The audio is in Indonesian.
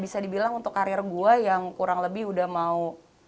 bisa dibilang untuk karir gue yang kurang lebih udah mau